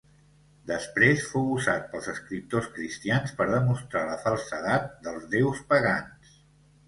Després fou usat pels escriptors cristians per demostrar la falsedat dels déus pagans.